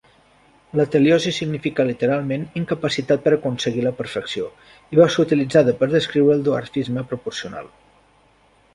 L'ateliosi significa literalment "incapacitat per aconseguir la perfecció", i va ser utilitzada per descriure el dwarfisme proporcional.